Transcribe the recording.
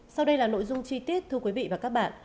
sau đây là nội dung chi tiết thưa quý vị và các bạn